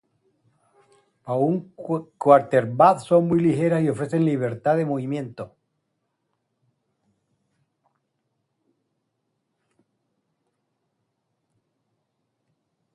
Para un quarterback son muy ligeras y ofrecen libertad de movimiento.